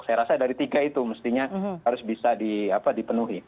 saya rasa dari tiga itu mestinya harus bisa dipenuhi